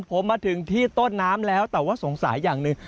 ผมมาถึงที่ต้นน้ำแล้วแต่ว่าสงสัยอย่างหนึ่ง